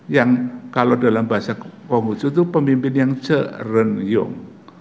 yang kalau dalam bahasa konghucu itu pemimpin yang ceren yong